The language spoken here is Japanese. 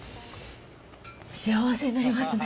幸せになりますね。